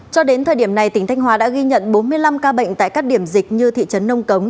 cho đến thời điểm này tỉnh thanh hóa đã ghi nhận bốn mươi năm ca bệnh tại các điểm dịch như thị trấn nông cống